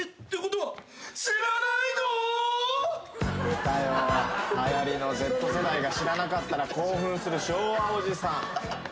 はやりのＺ世代が知らなかったら興奮する昭和おじさん。